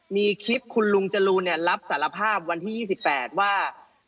มีคลิปคุณลุงจรูนรับสารภาพวันที่๒๘ว่า